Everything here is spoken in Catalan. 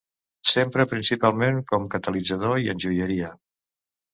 S'empra principalment com catalitzador i en joieria.